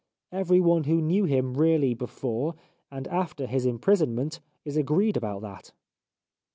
Everyone who knew him really before and after his imprisonment is agreed about that."